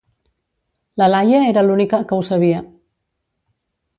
La Laia era l'ùnica que ho sabía